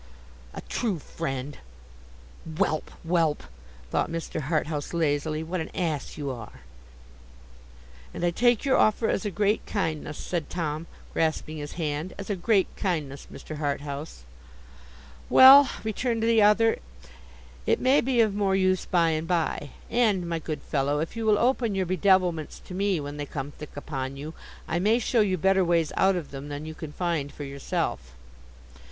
A true friend! 'Whelp, whelp!' thought Mr. Harthouse, lazily; 'what an Ass you are!' 'And I take your offer as a great kindness,' said Tom, grasping his hand. 'As a great kindness, Mr. Harthouse.' 'Well,' returned the other, 'it may be of more use by and by. And, my good fellow, if you will open your bedevilments to me when they come thick upon you, I may show you better ways out of them than you can find for yourself.